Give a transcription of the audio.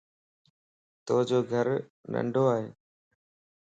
تو جو گھر ننڊوائي